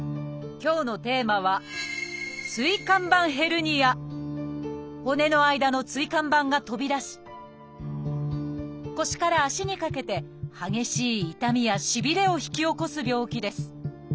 今日のテーマは骨の間の椎間板が飛び出し腰から足にかけて激しい痛みやしびれを引き起こす病気です。